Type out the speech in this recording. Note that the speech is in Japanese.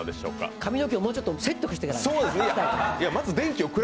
髪の毛をもうちょっとセットしてから。